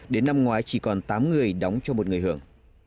đến năm ngoái chỉ còn tám người đóng cho một người hưởng